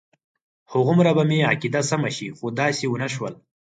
هغومره به مې عقیده سمه شي خو داسې ونه شول.